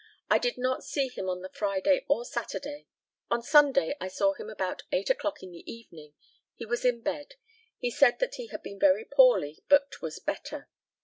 I did not see him on the Friday or Saturday. On Sunday I saw him about eight o'clock in the evening. He was in bed. He said that he had been very poorly, but was better.